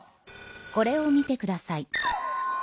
これを見てください。